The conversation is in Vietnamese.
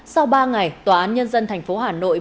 sau ba ngày tòa án nhân dân tp hà nội